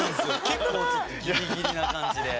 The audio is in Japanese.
結構ちょっとギリギリな感じで。